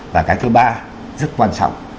và cái thứ ba rất quan trọng